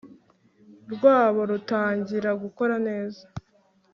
rwabo rutangira gukora neza